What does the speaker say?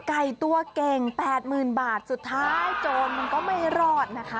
ไก่ตัวเก่ง๘๐๐๐บาทสุดท้ายโจรมันก็ไม่รอดนะคะ